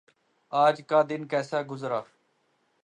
آج کا دن کیسے گزرا؟